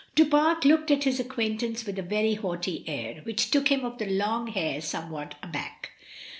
Du Pare looked at his acquaintance with a very haughty air, which took him of the long hair some what aback.